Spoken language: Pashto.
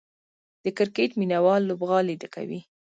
د کرکټ مینه وال لوبغالي ډکوي.